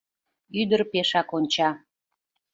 Ӱдыр пешак онча.